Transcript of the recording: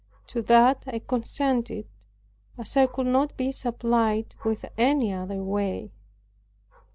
To that I consented, as I could not be supplied with any other way.